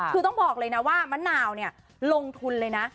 คือต้องบอกเลยว่าเมตนาลลงทุน